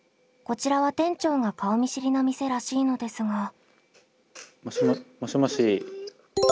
こちらは店長が顔見知りの店らしいのですが。